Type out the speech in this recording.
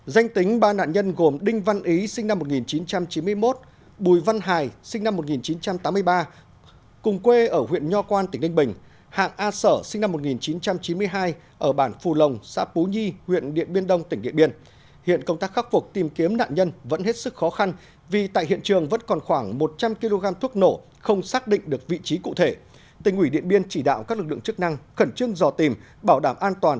danh tính ba nạn nhân gồm đinh văn ý sinh năm một nghìn chín trăm chín mươi một bùi văn hải sinh năm một nghìn chín trăm tám mươi ba cùng quê ở huyện nho quan tỉnh ninh bình hạng a sở sinh năm một nghìn chín trăm chín mươi hai ở bản phù lồng xã pú nhi huyện điện biên đông tỉnh nghệ biên